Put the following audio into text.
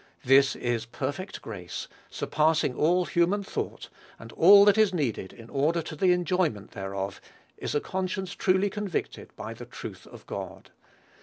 This is perfect grace, surpassing all human thought; and all that is needed in order to the enjoyment thereof, is a conscience truly convicted by the truth of God.